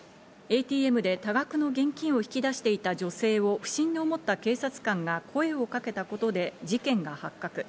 ＡＴＭで多額の現金を引き出していた女性を不審に思った警察官が声をかけたことで事件が発覚。